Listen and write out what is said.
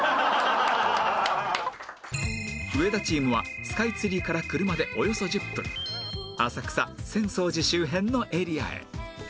上田チームはスカイツリーから車でおよそ１０分浅草浅草寺周辺のエリアへ